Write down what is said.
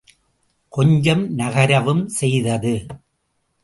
கொஞ்சம் நகரவும் செய்தது.